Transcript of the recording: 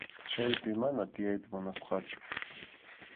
Chaypi mana tiyayta munasqachu.